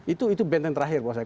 itu benteng terakhir buat saya